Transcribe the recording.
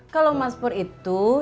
kalau mas pur itu